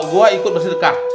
gue ikut bersedekah